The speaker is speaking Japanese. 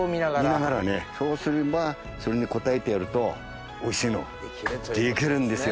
見ながらねそうすればそれに応えてやるとおいしいのできるんですよ。